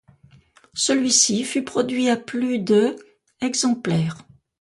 Celui-ci fut produit à plus de exemplaires.